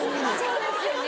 そうですよね。